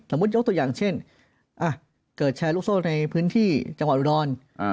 ยกตัวอย่างเช่นเกิดแชร์ลูกโซ่ในพื้นที่จังหวัดอุดร